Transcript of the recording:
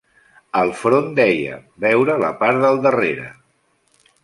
Al front deia, "veure la part del darrere".